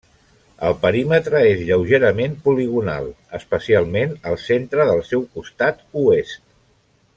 El perímetre és lleugerament poligonal, especialment al centre del seu costat oest.